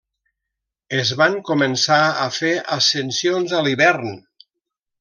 Es van començar a fer ascensions a l'hivern.